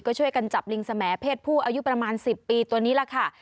ก็ช่วยกันจับลิงสมเพศผู้อายุประมาณ๑๐ปีตัวนี้แหละค่ะ